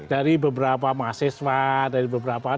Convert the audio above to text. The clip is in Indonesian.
dari beberapa mahasiswa dari beberapa